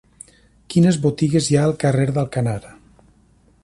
Quines botigues hi ha al carrer d'Alcanar?